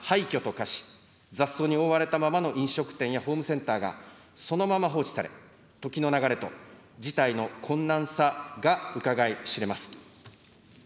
町のあちこちは廃虚と化し、雑草に覆われたままの飲食店やホームセンターがそのまま放置され、時の流れと事態の困難さがうかがい知れます。